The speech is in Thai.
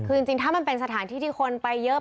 คือจริงถ้ามันเป็นสถานที่ที่คนไปเยอะ